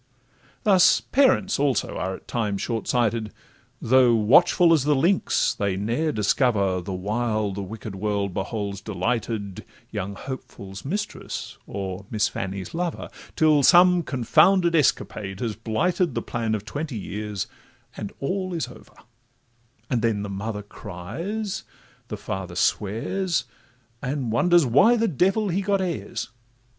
Thus parents also are at times short sighted; Though watchful as the lynx, they ne'er discover, The while the wicked world beholds delighted, Young Hopeful's mistress, or Miss Fanny's lover, Till some confounded escapade has blighted The plan of twenty years, and all is over; And then the mother cries, the father swears, And wonders why the devil he got heirs.